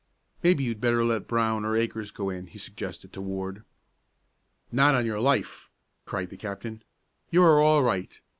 "Maybe you'd better let Brown or Akers go in," he suggested to Ward. "Not on your life!" cried the captain. "You are all right.